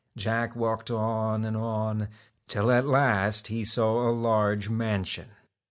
Jack walked on and on, till at last he saw a large mansion.